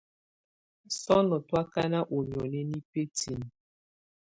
Sɔ́nɔ̀ tú ákáná ú nióni nɛ́ bǝ́tinǝ́.